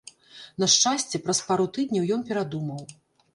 На шчасце, праз пару тыдняў ён перадумаў.